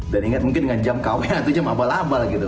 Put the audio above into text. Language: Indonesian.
dan ingat mungkin dengan jam kw atau jam abal abal gitu